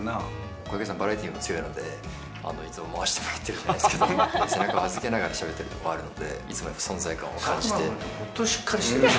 小池さん、バラエティーも強いので、いつも回してもらってるんですけど、背中を預けながらしゃべってるところもあるんで、いつまでも存在作間君って、本当にしっかりしてるな。